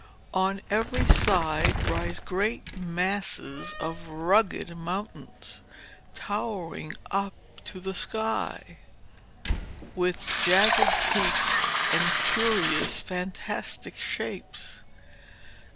On every side rise great masses of rugged mountains towering up to the sky, with jagged peaks and curious fantastic shapes.